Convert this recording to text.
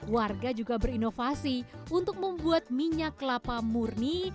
warga juga berinovasi untuk membuat minyak kelapa murni